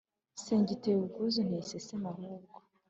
singiteye ubwuzu nteye iseseme ahubwo